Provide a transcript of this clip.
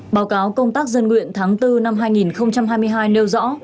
báo cáo công tác dân nguyện tháng bốn năm hai nghìn hai mươi hai nêu rõ